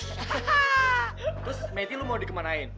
terus mety lo mau dikemanain